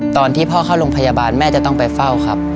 ตอนที่พ่อเข้าโรงพยาบาลแม่จะต้องไปเฝ้าครับ